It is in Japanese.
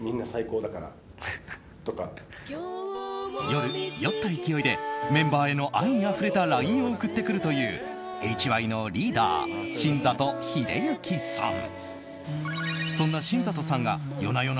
夜、酔った勢いでメンバーへの愛にあふれたＬＩＮＥを送ってくるというＨＹのリーダー・新里英之さん。